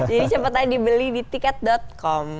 jadi cepetan dibeli di tiket com